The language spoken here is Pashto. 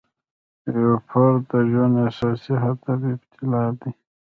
د یو فرد د ژوند اساسي هدف ابتلأ دی.